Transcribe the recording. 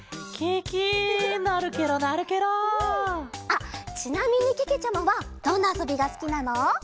あっちなみにけけちゃまはどんなあそびがすきなの？